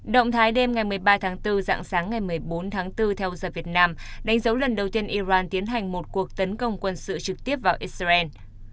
động thái đêm ngày một mươi ba tháng bốn dạng sáng ngày một mươi bốn tháng bốn theo giờ việt nam đánh dấu lần đầu tiên iran tiến hành một cuộc tấn công quân sự trực tiếp vào israel